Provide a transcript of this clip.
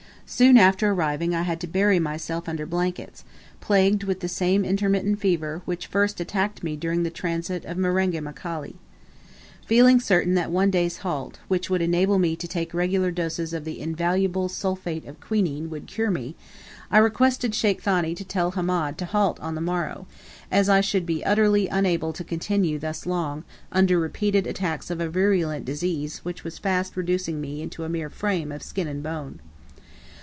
Soon after arriving I had to bury myself under blankets, plagued with the same intermittent fever which first attacked me during the transit of Marenga Mkali. Feeling certain that one day's halt, which would enable me to take regular doses of the invaluable sulphate of quinine, would cure me, I requested Sheikh Thani to tell Hamed to halt on the morrow, as I should be utterly unable to continue thus long, under repeated attacks of a virulent disease which was fast reducing me into a mere frame of skin and bone.